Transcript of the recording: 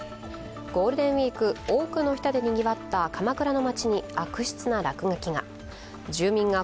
ゴールデンウイーク、多くの人でにぎわった鎌倉の街に悪質な落書きが。